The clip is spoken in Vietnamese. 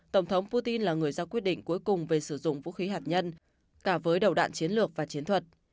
tổng thống putin là người giao quyết định cuối cùng về sử dụng vũ khí hạt nhân cả với đầu đạn chiến lược và chiến thuật